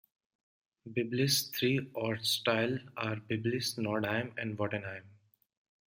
Biblis's three "Ortsteile" are Biblis, Nordheim and Wattenheim.